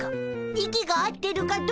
息が合ってるかどうかじゃ。